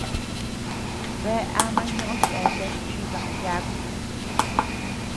Bea ama ñoʼö cheatea chibaʼa yaku.